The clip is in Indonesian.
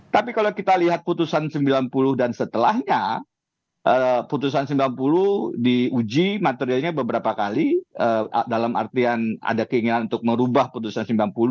tapi kalau kita lihat putusan sembilan puluh dan setelahnya putusan sembilan puluh diuji materialnya beberapa kali dalam artian ada keinginan untuk merubah putusan sembilan puluh